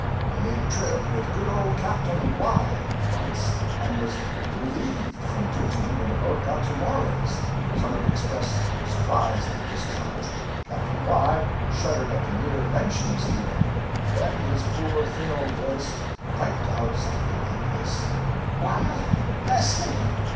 He made a trip with good old Captain Y once, and was 'relieved' from duty when the boat got to New Orleans. Somebody expressed surprise at the discharge. Captain Y shuddered at the mere mention of Stephen. Then his poor, thin old voice piped out something like this: 'Why, bless me!